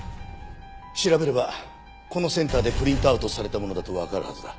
調べればこのセンターでプリントアウトされたものだとわかるはずだ。